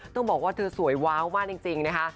ต้องบอกว่าเธอสวยว้าวมากจริงนะคะ